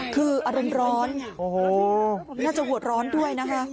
คืออารมณ์ร้อนโอ้โหน่าจะหัวร้อนด้วยนะคะ